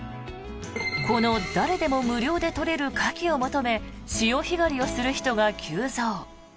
この誰でも無料で取れるカキを求め潮干狩りをする人が急増。